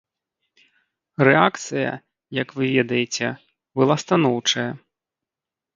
Рэакцыя, як вы ведаеце, была станоўчая.